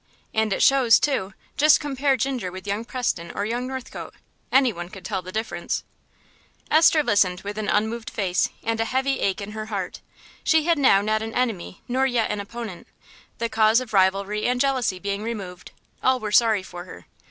"And it shows, too; just compare Ginger with young Preston or young Northcote. Anyone could tell the difference." Esther listened with an unmoved face and a heavy ache in her heart. She had now not an enemy nor yet an opponent; the cause of rivalry and jealousy being removed, all were sorry for her.